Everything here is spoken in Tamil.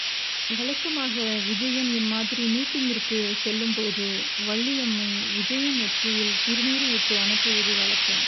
வழக்கமாக விஜயன் இம்மாதிரி மீட்டிங்கிற்கு செல்லும்போது வள்ளியம்மை, விஜயன் நெற்றியில் திருநீறு இட்டு அனுப்புவது வழக்கம்.